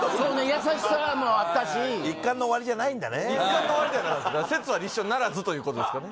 優しさもあったし一巻の終わりじゃないんだね一巻の終わりではなかった説は立証ならずということですかね